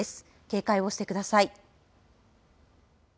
警戒をしてください。